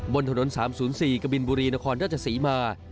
บนถนน๓๐๔กบินบุรีนครราชศรีมา